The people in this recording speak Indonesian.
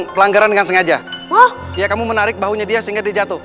pelanggaran dengan sengaja oh ya kamu menarik baunya dia sehingga dijatuh